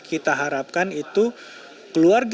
kita harapkan itu keluarga